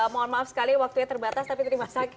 mohon maaf sekali waktunya terbatas tapi terima kasih